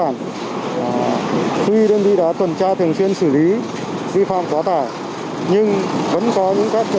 nhưng vẫn có những các trường hợp chở quá tải